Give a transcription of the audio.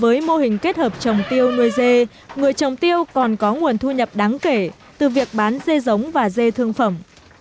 với mô hình kết hợp trồng tiêu nuôi dê người trồng tiêu còn có nguồn thu nhập đáng kể từ việc bán dê giống và dê thương phẩm